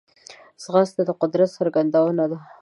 ځغاسته د قدرت څرګندونه ده